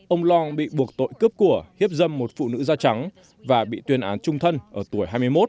ông long bị buộc tội cướp của hiếp dâm một phụ nữ da trắng và bị tuyên án trung thân ở tuổi hai mươi một